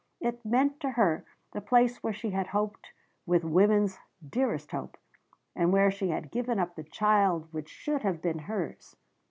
It meant to her the place where she had hoped with woman's dearest hope, and where she had given up the child which should have been hers.